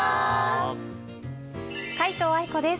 皆藤愛子です。